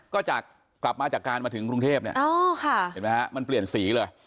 ก็จะกลับมาจากการมาถึงพุ่งเทพฯมันเปลี่ยนสีเลย